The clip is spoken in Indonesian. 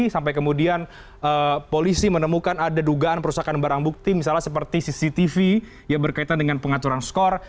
sampai kemudian polisi menemukan ada dugaan perusahaan barang bukti misalnya seperti cctv yang berkaitan dengan pengaturan skor